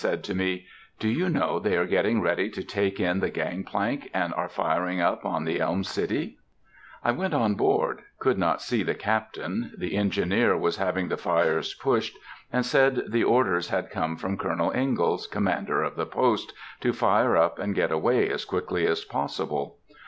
said to me, "Do you know they are getting ready to take in the gang plank, and are firing up on the Elm City?" I went on board; could not see the captain; the engineer was having the fires pushed, and said the orders had come from Colonel Ingalls, commander of the post, to fire up and get away as quickly as possible.